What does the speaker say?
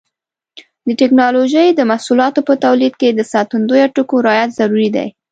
د ټېکنالوجۍ د محصولاتو په تولید کې د ساتندویه ټکو رعایت ضروري دی.